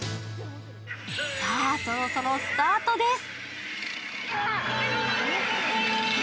さあ、そろそろスタートです。